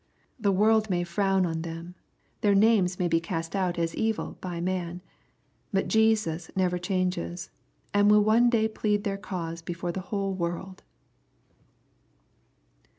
The world may frown on them. Their names may be cast out as evil by man. But Jesus never changes, and will one day plead their cause before the whole world.